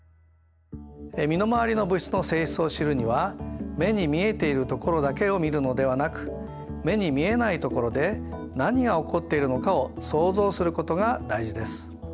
身の回りの物質の性質を知るには目に見えているところだけを見るのではなく目に見えないところで何が起こっているのかを想像することが大事です。